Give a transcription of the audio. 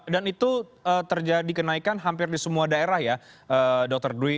dan itu terjadi kenaikan hampir di semua daerah ya dr dwi